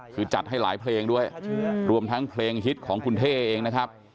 คือจัดให้หลายเพลงด้วยรวมทั้งเพลงฮิตของคุณเท่เองนะครับ